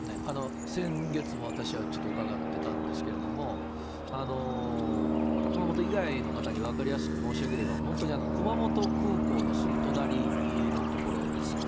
先月も、私はちょっと伺ってたんですけれども、熊本以外の方に分かりやすく申し上げれば、本当に熊本空港のすぐ隣の所です。